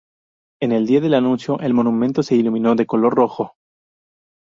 En el día del anuncio, el monumento se iluminó de color rojo.